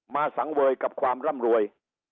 สังเวยกับความร่ำรวย